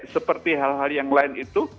seperti hal hal yang lain itu